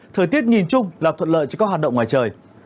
thời tiết nhìn chung là thuận lợi cho các hoạt động ngoài trời